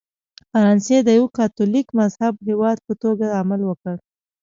فرانسې د یوه کاتولیک مذهبه هېواد په توګه عمل وکړ.